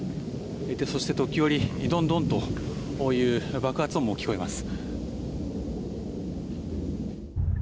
そして時折、ドンドンという爆発音も聞こえます。